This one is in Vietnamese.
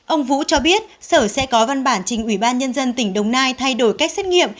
ông vũ cho biết sở sẽ có văn bản trình ủy ban nhân dân tỉnh đồng nai thay đổi cách xét nghiệm